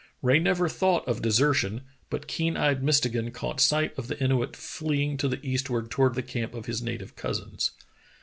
Rae never thought of desertion, but keen eyed Mistegan caught sight of the Inuit fleeing to the eastward to ward the camp of his native cousins.